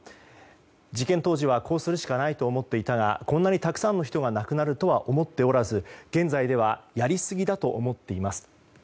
事件当時はこうするしかないと思っていたがこんなにたくさんの人が亡くなるとは思っておらず現在ではやりすぎだと思っています。